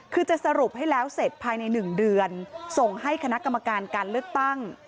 คือจะสรุปให้แล้วเสร็จภายใน๑เดือนส่งให้คณะกรรมการการเลือกตั้ง